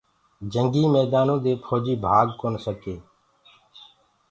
جنگي ميدآنو دي ڦوجي ڀآگ ڪونآ سگي